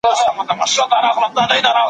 انتقادي فکر څنګه د تحلیل وړتیا زیاتوي؟